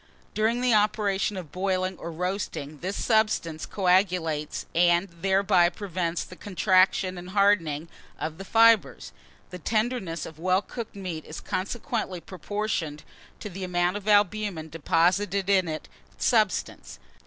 During the operation of boiling or roasting, this substance coagulates, and thereby prevents the contraction and hardening of the fibres. The tenderness of well cooked meat is consequently proportioned to the amount of albumen deposited in its substance.